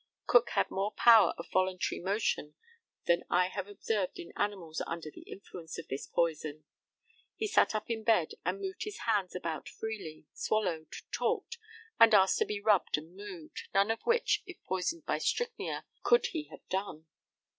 Cook had more power of voluntary motion than I have observed in animals under the influence of this poison. He sat up in bed, and moved his hands about freely, swallowed, talked, and asked to be rubbed and moved, none of which, if poisoned by strychnia, could he have done.